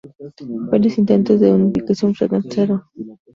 Varios intentos de unificación fracasaron.